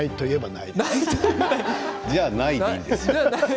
笑い声じゃあないでいいんですよ。